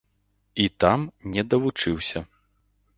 І там не давучыўся.